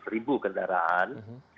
empat ratus ribu kendaraan